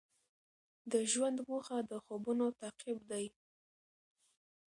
د ژوند موخه د خوبونو تعقیب دی.